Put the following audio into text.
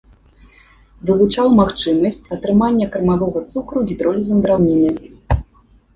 Вывучаў магчымасць атрымання кармавога цукру гідролізам драўніны.